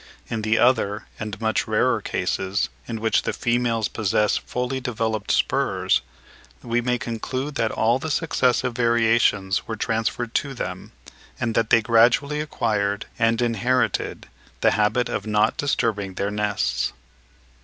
In the other and much rarer cases, in which the females possess fully developed spurs, we may conclude that all the successive variations were transferred to them; and that they gradually acquired and inherited the habit of not disturbing their nests.